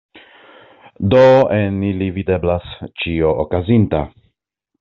Do en ili videblas ĉio okazinta!